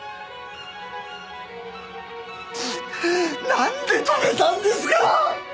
なんで止めたんですか！？